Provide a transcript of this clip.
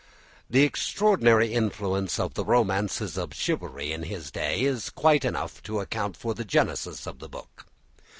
The extraordinary influence of the romances of chivalry in his day is quite enough to account for the genesis of the book.